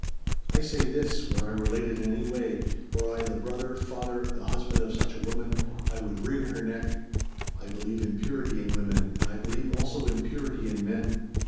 "I say this, were I related in any way, were I the brother, father, the husband of such a woman, I would wring her neck. I believe in purity in women, and I believe also in purity in men."